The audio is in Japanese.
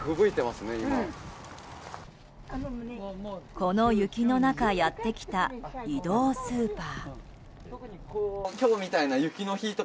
この雪の中やってきた移動スーパー。